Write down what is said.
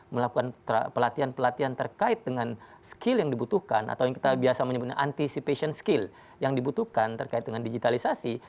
melakukan pelatihan pelatihan terkait dengan skill yang dibutuhkan atau yang kita biasa menyebut anticipation skill yang dibutuhkan terkait dengan digitalisasi